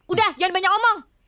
udah jangan banyak omong